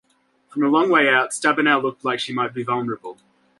From a long way out Stabenow looked like she might be vulnerable.